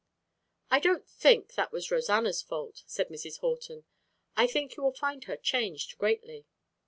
"I don't think that was Rosanna's fault," said Mrs. Horton. "I think you will find her changed greatly."